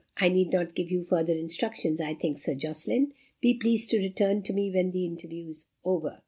I need not give you further instructions I think, Sir Jocelyn. Be pleased to return to me when the interview is over."